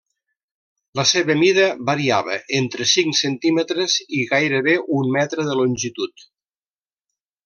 La seva mida variava entre cinc centímetres i gairebé un metre de longitud.